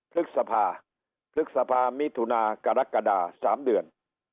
พฤษภาพฤษภามิถุนากรกฎา๓เดือน